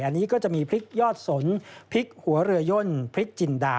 อันนี้ก็จะมีพริกยอดสนพริกหัวเรือย่นพริกจินดา